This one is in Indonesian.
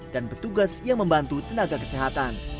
dan petugas yang membantu tenaga kesehatan